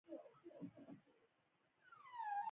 زاړه غرونه په پالیوزویک په دوره کې منځته راغلي دي.